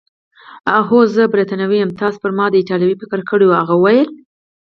هو، زه بریتانوی یم، تاسي پر ما د ایټالوي فکر کړی وو؟ هغه وویل.